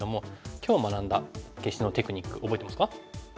今日学んだ消しのテクニック覚えてますか？